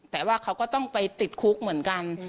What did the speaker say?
แต่ว่าเขาก็ต้องไปติดคุกเหมือนกัน